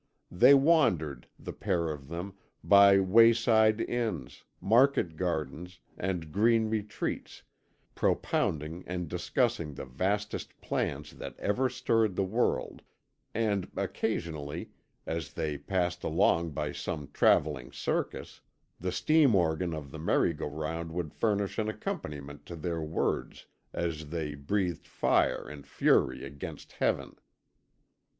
They wandered, the pair of them, by wayside inns, market gardens, and green retreats, propounding and discussing the vastest plans that ever stirred the world, and, occasionally, as they passed along by some travelling circus, the steam organ of the merry go round would furnish an accompaniment to their words as they breathed fire and fury against Heaven.